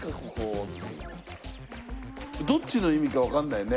どっちの意味かわかんないね。